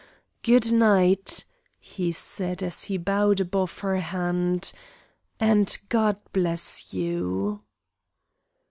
Good night," he said as he bowed above her hand, "and God bless you!"